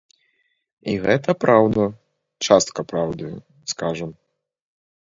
І гэта праўда, частка праўды, скажам.